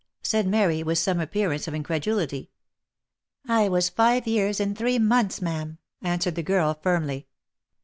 said Mary, with some appearance of incredulity. " I was five years and three months, ma'am," answered the girl firmly.